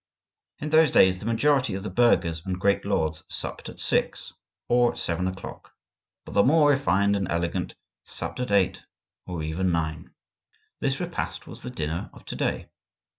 In those days the majority of the burghers and great lords supped at six, or at seven o'clock, but the more refined and elegant supped at eight or even nine. This repast was the dinner of to day.